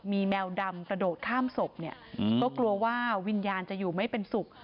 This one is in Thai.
มีแมวดำกระโดดข้ามศพเนี่ยก็กลัวว่าวิญญาณจะอยู่ไม่เป็นสุข